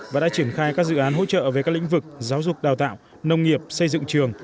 và đã triển khai các dự án hỗ trợ về các lĩnh vực giáo dục đào tạo nông nghiệp xây dựng trường